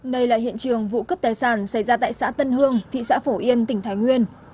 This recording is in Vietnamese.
đây là hiện trường vụ cướp tài sản xảy ra tại xã tân hương tp phổ yên tp thái nguyên